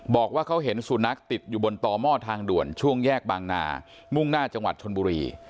บอกว่าเขาเห็นสุนัขติดอยู่บนต่อหม้อทางด่วนช่วงแยกบางนามุ่งหน้าจังหวัดชนบุรี